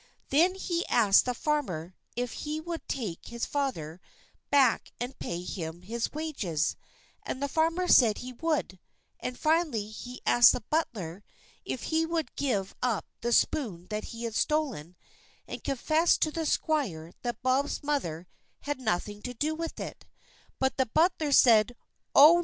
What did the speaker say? Then he asked the farmer if he would take his father back and pay him his wages, and the farmer said he would; and finally he asked the butler if he would give up the spoon that he had stolen, and confess to the squire that Bob's mother had nothing to do with it, but the butler said, "Oh, no, indeed!"